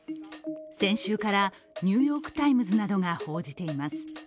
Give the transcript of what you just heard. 先週から「ニューヨーク・タイムズ」などが報じています。